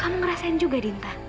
kamu ngerasain juga dinta